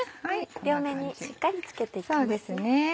両面にしっかり付けていきます。